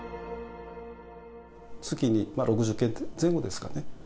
月に６０件前後ですかね。